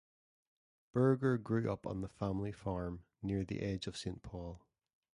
Burger grew up on the family farm near the edge of Saint Paul.